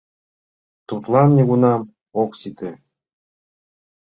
Тудлан нигунам ок сите...